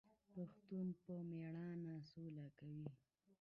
پښتون په میړانه سوله کوي.